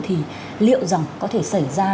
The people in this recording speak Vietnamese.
thì liệu rằng có thể xảy ra